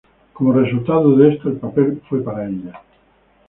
Como resultado de esto, el papel fue para ella.